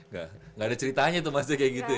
gak ada ceritanya tuh mas ya kayak gitu ya